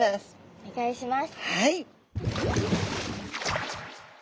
お願いします。